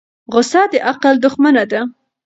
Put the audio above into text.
غصه د عقل دښمنه ده.